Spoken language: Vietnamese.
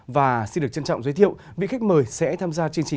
và xin được trân trọng giới thiệu vị khách mời sẽ tham gia chương trình